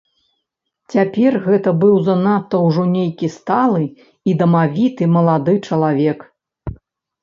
Цяпер гэта быў занадта ўжо нейкі сталы і дамавіты малады чалавек.